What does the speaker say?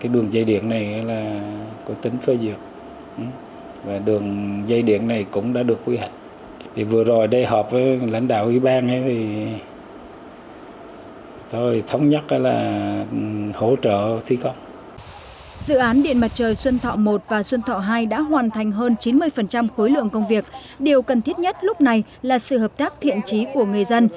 dự án điện mặt trời xuân thọ một và xuân thọ hai đã hoàn thành hơn chín mươi khối lượng công việc điều cần thiết nhất lúc này là sự hợp tác thiện trí của người dân